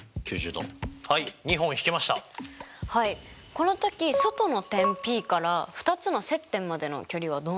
この時外の点Ｐから２つの接点までの距離はどうなりますか？